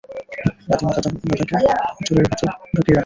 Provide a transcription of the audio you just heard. দাদিমা দাদাকে জারের ভেতর ঢুকিয়ে রাখত।